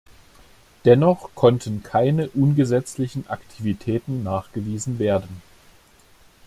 Dennoch konnten keine ungesetzlichen Aktivitäten nachgewiesen werden.